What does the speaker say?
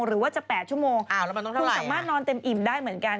หรือว่าจะ๘ชั่วโมงคุณสามารถนอนเต็มอิ่มได้เหมือนกัน